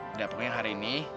udah pokoknya hari ini